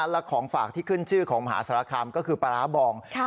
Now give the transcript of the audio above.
แล้วของฝากที่ขึ้นชื่อของมหาศรษฐรรมก็คือปาราบองใช่